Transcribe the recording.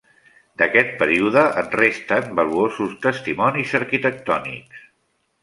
D'aquest període en resten valuosos testimonis arquitectònics.